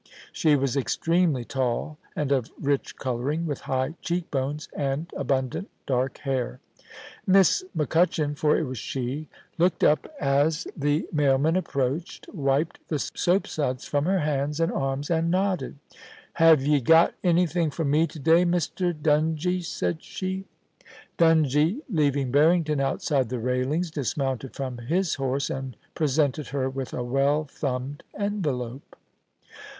Sue was extremely tall and of rich colouring, with high cheek bones and abundant dark hair. Miss MacCutchan — for it was she — looked up as the * YOU MUST MARRY HONORIA LONGLEAT: 57 mailman approached, wiped the soapsuds from her hands and arms, and nodded. * Have ye got anything for me to day, Mr. Dungie?* said she. Dungie, leaving Harrington outside the railings, dismounted from his horse, and presented her with a well thumbed envelope.